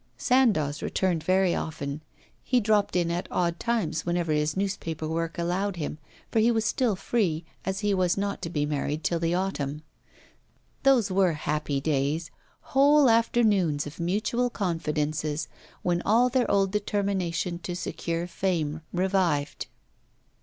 Sandoz returned very often. He dropped in at odd times whenever his newspaper work allowed him, for he was still free, as he was not to be married till the autumn. Those were happy days, whole afternoons of mutual confidences when all their old determination to secure fame revived.